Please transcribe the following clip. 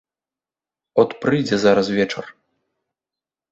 От прыйдзе зараз вечар.